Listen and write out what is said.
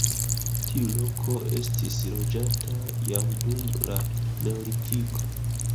Tiu loko estis loĝata jam dum la neolitiko.